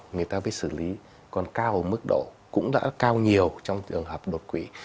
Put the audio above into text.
người ta phải xử lý còn cao ở mức độ cũng đã cao nhiều trong trường hợp đột quỷ